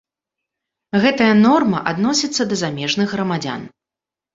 Гэтая норма адносіцца да замежных грамадзян.